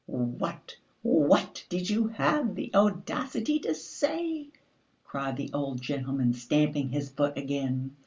What did you have the audacity to say?" cried the old gentleman, stamping his foot again.